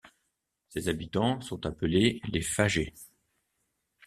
Ses habitants sont appelés les Fageais.